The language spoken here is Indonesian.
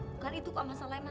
bukan itu kok masalahnya